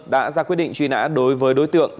đã ra quyết định truy nã đối với đối tượng